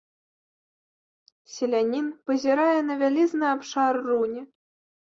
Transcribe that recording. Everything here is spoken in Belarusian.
Селянін пазірае на вялізны абшар руні.